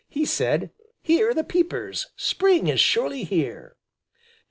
He said: "Hear the peepers! Spring is surely here."